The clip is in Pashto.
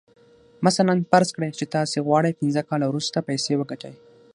مثلاً فرض کړئ چې تاسې غواړئ پينځه کاله وروسته پيسې وګټئ.